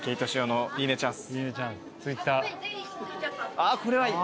あっこれはいい。